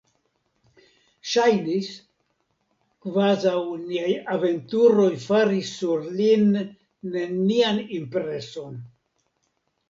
Ŝajnis, kvazaŭ niaj aventuroj faris sur lin nenian impreson.